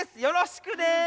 よろしくね。